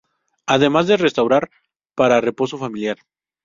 Además de restaurantes para reposo familiar.